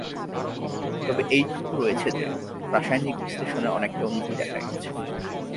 তবে এইটুকু রয়েছে যে, রাসায়নিক বিশ্লেষণে অনেকটা উন্নতি দেখা গেছে।